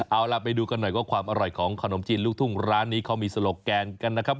เอาล่ะไปดูกันหน่อยว่าความอร่อยของขนมจีนลูกทุ่งร้านนี้เขามีโลแกนกันนะครับ